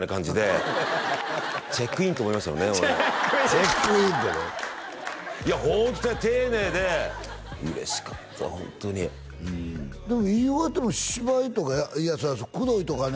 俺「チェックイン」「チェックイン」っていやホントね丁寧で嬉しかったホントにうんでも飯尾は芝居とかいやそりゃそう「クドい！」とかね